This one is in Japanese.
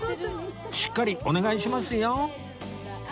しっかりお願いしますよ